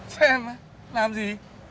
xem á làm gì